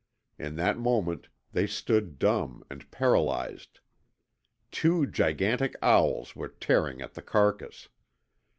In that moment they stood dumb and paralyzed. Two gigantic owls were tearing at the carcass.